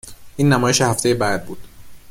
این نمایش هفته بعد بود